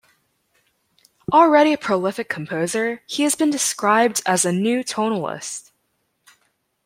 Already a prolific composer, he has been described as a new tonalist.